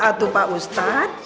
aduh pak ustadz